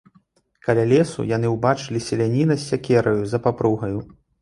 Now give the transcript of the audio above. Каля лесу яны ўбачылі селяніна з сякераю за папругаю.